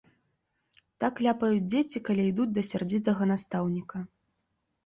Так ляпаюць дзеці, калі ідуць да сярдзітага настаўніка.